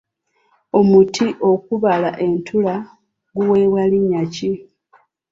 Omuti okubala entula guweebwa linnya ki?